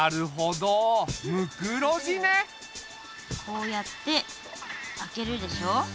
こうやって開けるでしょ。